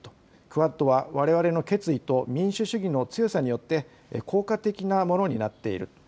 クアッドはわれわれの決意と民主主義の強さによって効果的なものになっている。